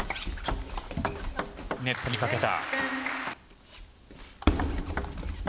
ネットにかけた。